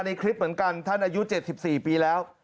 ในคลิปเหมือนกันท่านอายุ๗๔ปีแล้ว